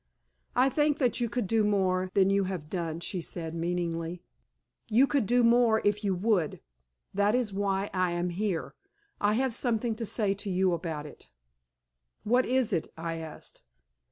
"I think that you could do more than you have done," she said, meaningly. "You could do more if you would. That is why I am here. I have something to say to you about it." "What is it?" I asked.